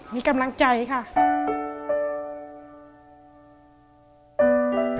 มีกำลังใจค่ะ